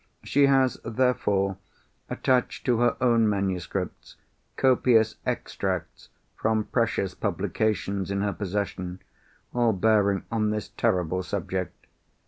She has, therefore, attached to her own manuscripts, copious Extracts from precious publications in her possession, all bearing on this terrible subject.